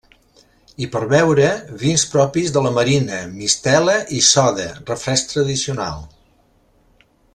I per a beure, vins propis de la Marina, mistela, i soda, refresc tradicional.